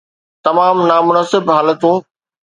تمام نامناسب حالتون